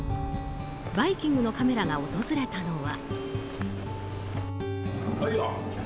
「バイキング」のカメラが訪れたのは。